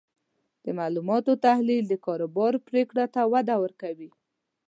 د معلوماتو تحلیل د کاروبار پریکړو ته وده ورکوي.